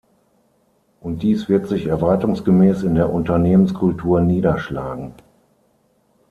Und dies wird sich erwartungsgemäß in der Unternehmenskultur niederschlagen.